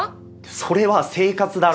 それは生活だろ。